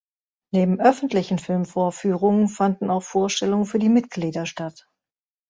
Neben öffentlichen Filmvorführungen fanden auch Vorstellungen für die Mitglieder statt.